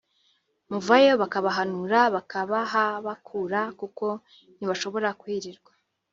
[…] muvayo bakabanura(bakahabakura) kuko ntibashobora kuhirirwa